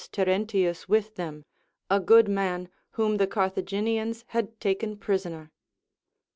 Terentius with them, a good man, whom the Carthagi nians had taken prisoner.